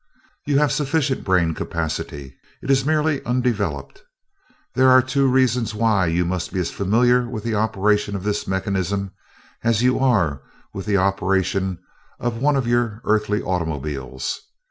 "You have sufficient brain capacity; it is merely undeveloped. There are two reasons why you must be as familiar with the operation of this mechanism as you are with the operation of one of your Earthly automobiles.